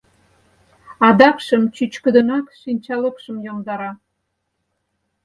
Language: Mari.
Адакшым чӱчкыдынак шинчалыкшым йомдара.